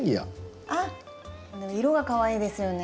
あっ色がかわいいですよね。